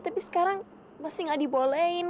tapi sekarang masih gak dibolehin